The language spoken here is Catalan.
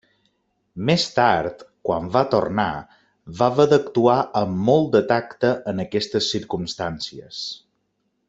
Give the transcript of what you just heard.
Més tard, quan va tornar, va haver d'actuar amb molt de tacte en aquestes circumstàncies.